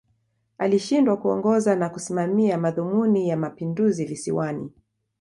Alishindwa kuongoza na kusimamia madhumuni ya Mapinduzi Visiwani